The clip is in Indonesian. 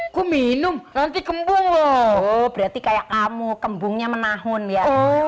aku minum nanti kembung loh berarti kayak kamu kembungnya menahun ya